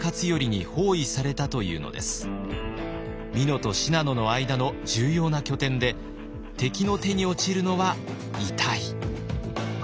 美濃と信濃の間の重要な拠点で敵の手に落ちるのは痛い。